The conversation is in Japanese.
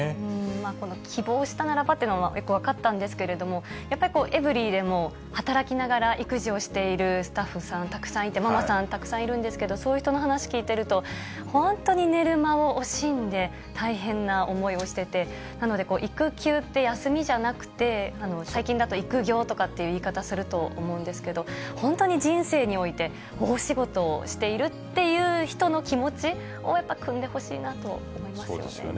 この希望したならばっていうのは、よく分かったんですけれども、やっぱりエブリィでも働きながら、育児をしているスタッフさん、たくさんいて、ママさん、たくさんいるんですけれども、そういう人の話聞いてると、本当に寝る間を惜しんで、大変な思いをしてて、なので、育休って休みじゃなくて、最近だと育業とかっていう言い方すると思うんですけれども、本当に人生において、大仕事をしているっていう人の気持ちを、やっぱりくんでほしいなと思いますよね。